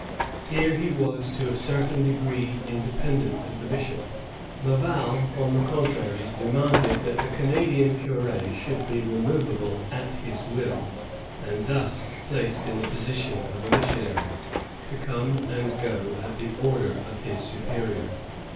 Hence he was to a certain degree independent of the bishop. Laval, on the contrary, demanded that the Canadian cur^ should be remov able at his will, and thus placed in the position of a missionary, to come and go at the order of his superior.